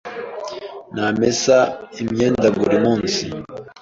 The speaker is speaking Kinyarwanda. Namesa imyenda buri munsi.